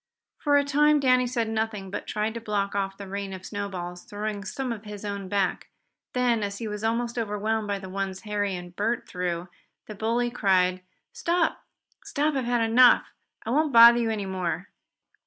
For a time Danny said nothing, but tried to block off the rain of snowballs, throwing some of his own back. Then, as he was almost overwhelmed by the ones Harry and Bert threw, the bully cried: "Stop! Stop! I've had enough! I won't bother you any more!"